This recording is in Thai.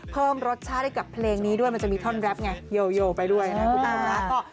เพิ่มรสชาติให้กับเพลงนี้ด้วยมันจะมีท่อนแรปไงโยไปด้วยนะคุณผู้ชมนะ